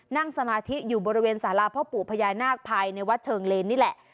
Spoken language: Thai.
นั่งสมาธิอยู่บริเวณสาราพ่อปู่พญานาคภายในวัดเชิงเลนนี่แหละ